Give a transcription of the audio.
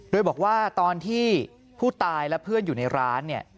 โดยบอกว่าตอนที่ผู้ตายและเพื่อนอยู่ในร้านเนี่ย